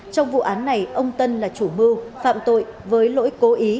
trong vụ án này ông tân là chủ mưu phạm tội với lỗi cố ý